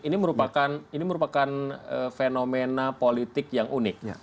ini merupakan fenomena politik yang unik